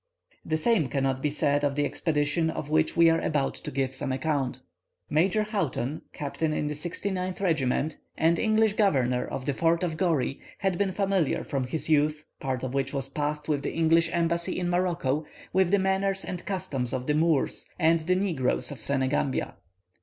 The same cannot be said of the expedition of which we are about to give some account. Major Houghton, captain in the 69th regiment, and English Governor of the Fort of Goree, had been familiar from his youth, part of which was passed with the English Embassy in Morocco, with the manners and customs of the Moors and the negroes of Senegambia.